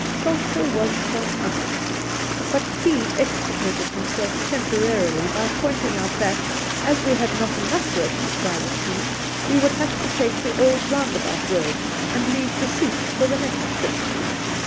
Soltke was triumphant, but Key extricated himself temporarily by pointing out that, as we had not enough rope to try the scheme, we would have to take the old roundabout road and leave the 'shoot' for the next trip.